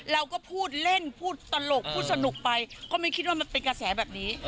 เราก็พูดเล่นพูดตลกพูดสนุกไปก็ไม่คิดว่ามันเป็นกระแสแบบนี้